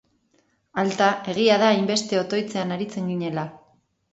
Alta, egia da hainbeste otoitzean aritzen ginela!